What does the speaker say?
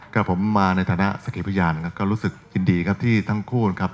ก็ผมมาในฐานะสกิพยานก็รู้สึกยินดีครับที่ทั้งคู่นะครับ